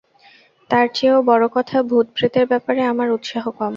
তার চেয়েও বড় কথা ভূত-প্রেতের ব্যাপারে আমার উৎসাহ কম।